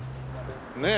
ねえ。